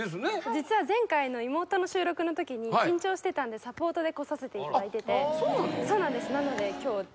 実は前回の妹の収録の時に緊張してたんでサポートでこさせていただいててあっそうなの？